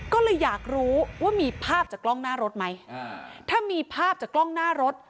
ก็เลยอยากรู้ว่ามีภาพจากกล้องหน้ารถไหมถ้ามีภาพจากกล้องหน้ารถ